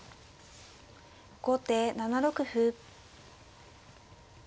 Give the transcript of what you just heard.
後手７六歩。